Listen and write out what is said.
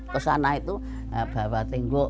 kesana itu bawa tenggok